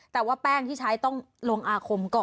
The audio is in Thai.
แต่ว่าแป้งที่ใช้ต้องลงอาคมก่อน